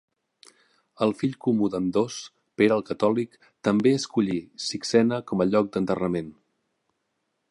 El fill comú d'ambdós, Pere el Catòlic, també escollí Sixena com a lloc d'enterrament.